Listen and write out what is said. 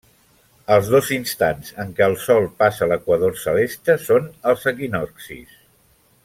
Els dos instants en què el Sol passa l'equador celeste són els equinoccis.